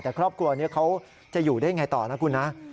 แต่ครอบครัวนี้เขาจะอยู่ได้ยังไงต่อนะคุณนะ